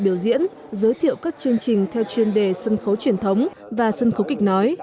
biểu diễn giới thiệu các chương trình theo chuyên đề sân khấu truyền thống và sân khấu kịch nói